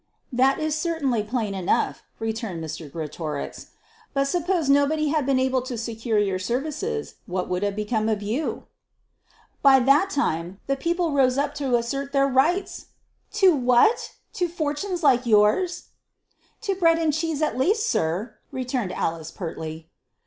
"That is certainly plain enough," returned Mr. Greatorex. "But suppose nobody had been able to secure your services, what would have become of you?" "By that time the people'd have rose to assert their rights." "To what? To fortunes like yours?" "To bread and cheese at least, sir," returned Alice, pertly.